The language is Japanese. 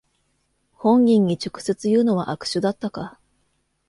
本人に直接言うのは悪手だったか